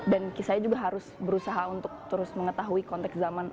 dan saya juga harus berusaha untuk terus mengetahui konteks zaman